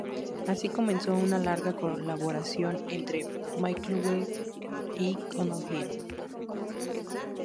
Así comenzó una larga colaboración entre McAuley y Connolly.